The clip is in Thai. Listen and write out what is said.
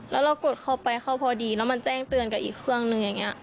แล้วเรากดเข้าไปเขาพอดีแล้วมันแจ้งเตือนกับอีกเครื่องนึงอย่างนี้